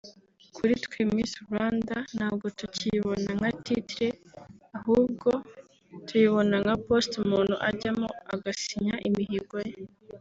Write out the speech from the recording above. kuri twe Miss Rwanda ntabwo tukiyibona nka titre ahubwo tuyibona nka poste umuntu ajyamo agasinya imihigo ye